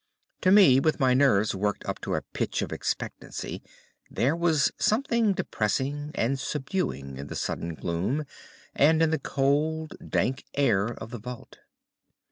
To me, with my nerves worked up to a pitch of expectancy, there was something depressing and subduing in the sudden gloom, and in the cold dank air of the vault.